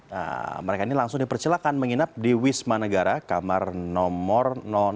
nah mereka ini langsung dipersilakan menginap di wisma negara kamar nomor enam